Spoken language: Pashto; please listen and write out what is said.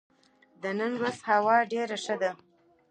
د نن ورځ هوا ډېره ښه ده.